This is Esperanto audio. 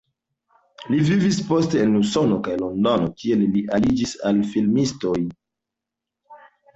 Li vivis poste en Usono kaj Londono, kie li aliĝis al filmistoj.